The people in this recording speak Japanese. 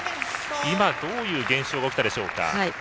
今、どういう現象が起きたでしょうか。